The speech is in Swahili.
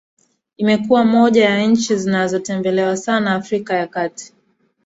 Imekuwa moja ya nchi zinazo tembelewa sana Afrika ya kati